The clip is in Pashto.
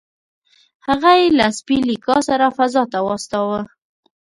هغه یې له سپي لیکا سره فضا ته واستاوه